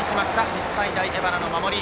日体大荏原の守り。